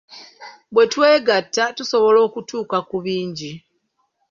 Bwe twegatta, tusobola okutuuka ku bingi.